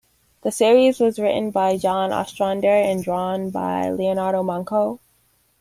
The series was written by John Ostrander and drawn by Leonardo Manco.